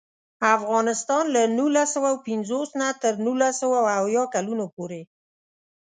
افغانستان له نولس سوه پنځوس نه تر نولس سوه اویا کلونو پورې.